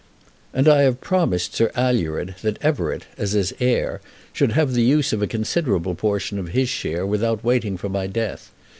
"And I have promised Sir Alured that Everett, as his heir, should have the use of a considerable portion of his share without waiting for my death.